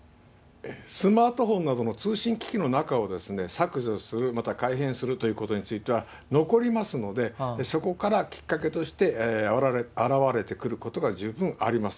スマートフォンなどの通信機器の中を削除する、またかいへんするということについては、残りますので、そこからきっかけとしてあらわれてくることが十分あります。